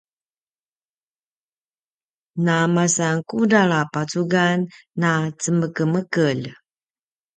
na masan kudral a pacugan na cemekemekelj